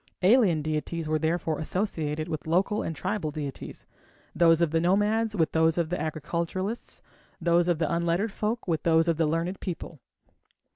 Alien deities were therefore associated with local and tribal deities, those of the nomads with those of the agriculturists, those of the unlettered folks with those of the learned people.